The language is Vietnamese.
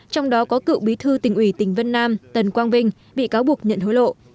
trong đó có cựu bí thư tỉnh ủy tỉnh vân nam tần quang vinh bị cáo buộc nhận hối lộ